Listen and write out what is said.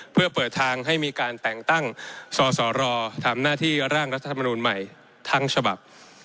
เพื่อเปิดทางให้มีการแต่งตั้งสสรทำหน้าที่ร่างรัฐธรรมนูลใหม่ทั้งฉบับ